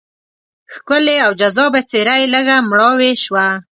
ښکلې او جذابه څېره یې لږه مړاوې شوه.